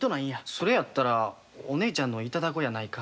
「それやったらお姉ちゃんの頂こうやないか」